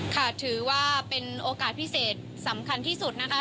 ค่ะถือว่าเป็นโอกาสพิเศษสำคัญที่สุดนะคะ